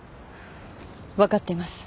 分かっています。